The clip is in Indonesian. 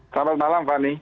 selamat malam fani